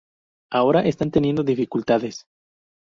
Ahora están teniendo dificultades.